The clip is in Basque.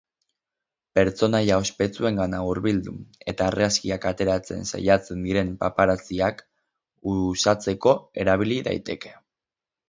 Pertsonaia ospetsuengana hurbildu eta argazkiak ateratzen saiatzen diren paparazziak uxatzeko erabili daiteke.